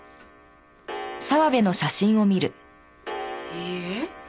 いいえ。